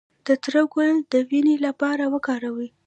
د تره ګل د وینې لپاره وکاروئ